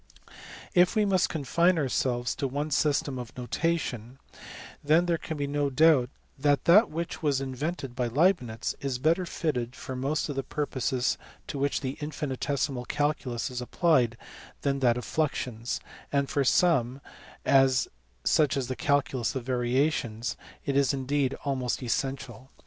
If we must confine ourselves to one system of notation then there can be no doubt that that which was invented by Leibnitz is better fitted for most of the purposes to which the " infinitesimal calculus is applied than that of fluxions, and for some (such as the calculus of variations) it is indeed almost essential.